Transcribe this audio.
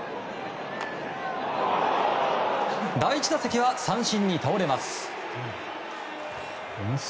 第１打席は三振に倒れます。